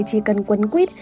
chỉ cần quấn quýt